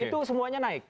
itu semuanya naik